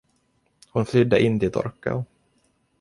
Hon flydde in till Torkel.